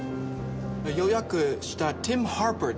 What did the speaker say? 予約したティム・ハーパーです。